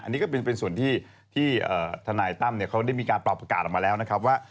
อันนี้ก็เป็นส่วนที่ทนายตั้มเขาได้มีการปรับประกาศออกมาแล้วนะครับว่า